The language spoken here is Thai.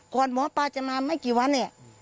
หมอปลาจะมาไม่กี่วันเนี่ย